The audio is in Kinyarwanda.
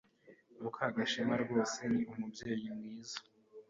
Mukagashema rwose ni umubyeyi mwiza.